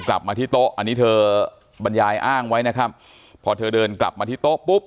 อันนี้เธอบรรยายอ้างไว้นะครับพอเธอเดินกลับมาที่โต๊ะปุ๊บ